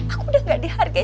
aku udah gak dihargai